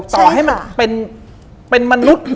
ต่อให้มันเป็นมนุษย์